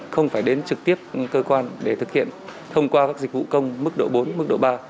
không phải đến trực tiếp cơ quan để thực hiện thông qua các dịch vụ công mức độ bốn mức độ ba